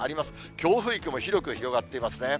強風域も広く広がっていますね。